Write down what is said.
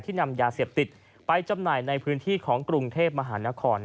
นำยาเสพติดไปจำหน่ายในพื้นที่ของกรุงเทพมหานคร